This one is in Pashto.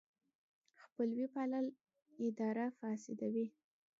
خپلوي پالل اداره فاسدوي.